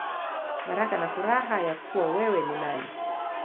Baraka na Furaha Ya Kuwa Wewe Ni Nani.